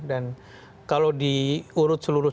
dan kalau diurut seluruh